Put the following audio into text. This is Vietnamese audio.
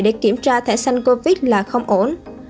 để kiểm tra thẻ sanh covid là không ổn